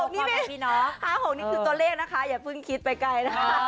๕๖นี่ด้วยที่ตัวเลขนะคะอย่าคิดไปใกล้